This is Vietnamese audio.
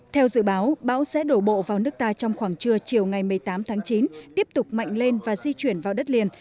theo dự báo bão sẽ đổ bộ vào nước ta trong khoảng trưa chiều ngày một mươi tám tháng chín tiếp tục mạnh lên và di chuyển vào đất liền